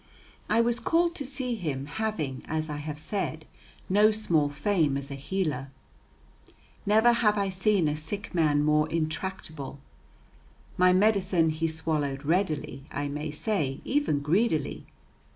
"] I was called to see him, having, as I have said, no small fame as a healer. Never have I seen a sick man more intractable. My medicine he swallowed readily, I may say, even greedily.